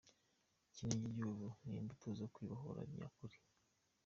Kinigi y’ubu ni imbuto zo kwibohora nyakuri”.